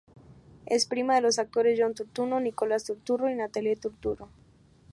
Es prima de los actores John Turturro, Nicholas Turturro y Natalie Turturro.